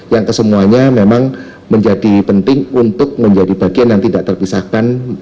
yang kesemuanya memang menjadi penting untuk menjadi bagian yang tidak terpisahkan